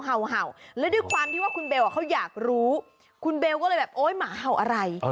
เห่าและด้วยความที่ว่าคุณเบลเขาอยากรู้คุณเบลก็เลยแบบโอ๊ยหมาเห่าอะไร